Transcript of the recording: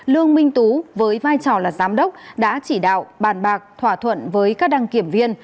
lương minh tú với vai trò là giám đốc đã chỉ đạo bàn bạc thỏa thuận với các đăng kiểm viên